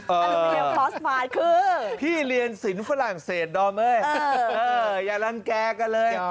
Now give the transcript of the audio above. เออคือพี่เรียนศิลป์ฝรั่งเศสดอมเฮ้ยเอออย่าล้างแก๊กกันเลย